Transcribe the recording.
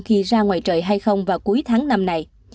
khi ra ngoài trời hay không vào cuối tháng năm này